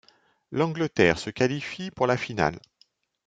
L'Angleterre se qualifie pour la finale.